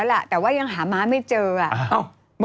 เห็นไหมนั่นน่ะ